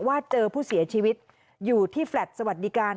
ว่าเจอผู้เสียชีวิตอยู่ที่แฟลต์สวัสดีการ